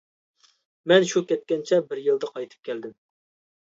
مەن شۇ كەتكەنچە بىر يىلدا قايتىپ كەلدىم.